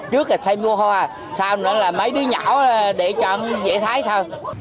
trước là xây vua hoa sau nữa là mấy đứa nhỏ để cho dễ thấy thôi